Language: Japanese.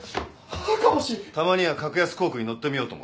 たまには格安航空に乗ってみようと思ってね。